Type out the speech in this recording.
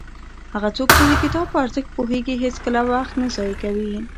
هغه څوک چې د کتاب په ارزښت پوهېږي هېڅکله وخت نه ضایع کوي.